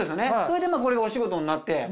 それでこれがお仕事になって。